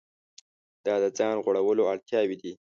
دا د ځان غوړولو اړتیاوې دي.